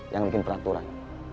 yang bikin peraturan